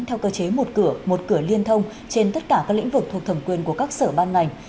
theo cơ chế một cửa một cửa liên thông trên tất cả các lĩnh vực thuộc thẩm quyền của các sở ban ngành